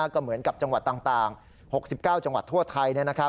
ก็เหมือนกับจังหวัดต่าง๖๙จังหวัดทั่วไทย